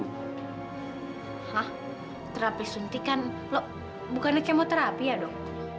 hah terapi suntik kan bukannya kemoterapi ya dok